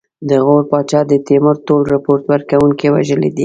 د غور پاچا د تیمور ټول رپوټ ورکوونکي وژلي دي.